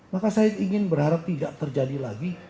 maka saya ingin berharap tidak terjadi lagi